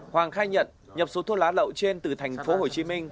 hoàng khai nhận nhập số thuốc lá lậu trên từ thành phố hồ chí minh